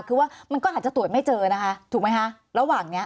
คือว่ามันก็อาจจะตรวจไม่เจอนะคะถูกไหมคะระหว่างนี้